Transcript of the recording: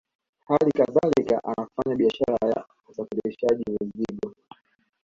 Hali kadhalika anafanya biashara ya usafirishaji mizigo